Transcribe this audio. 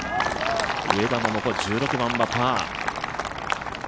上田桃子、１６番はパー。